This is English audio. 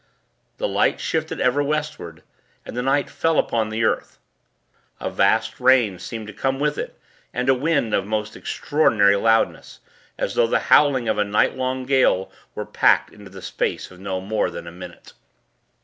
The light shifted ever Westward, and the night fell upon the earth. A vast rain seemed to come with it, and a wind of a most extraordinary loudness as though the howling of a nightlong gale, were packed into the space of no more than a minute.